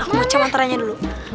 aku bocok antaranya dulu